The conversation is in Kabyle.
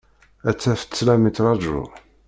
Ad taf ṭṭlam yettraǧu.